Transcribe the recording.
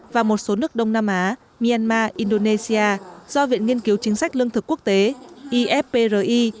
và một số nước đông nam á myanmar indonesia do viện nghiên cứu chính sách lương thực quốc tế ifpri